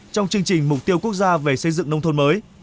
trong chương trình mục tiêu quốc gia về xây dựng nông thôn mới